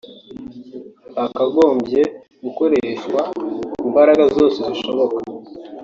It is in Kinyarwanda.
Hakagombye gukoreshwa imbaraga zose zishoboka